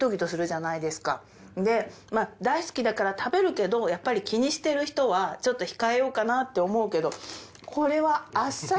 で大好きだから食べるけどやっぱり気にしてる人はちょっと控えようかなって思うけどこれはうん